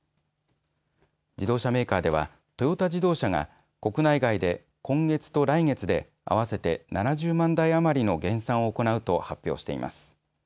自動車メーカーではトヨタ自動車が国内外で今月と来月で合わせて７０万台余りの減産を行うと発表しています。